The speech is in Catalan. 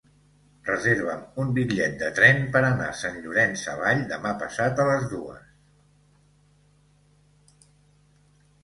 Reserva'm un bitllet de tren per anar a Sant Llorenç Savall demà passat a les dues.